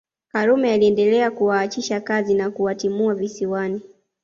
Karume aliendelea kuwaachisha kazi na kuwatimua Visiwani